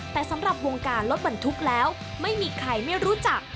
แต่สำหรับวงการรถบรรทุกแล้วไม่มีใครไม่รู้จัก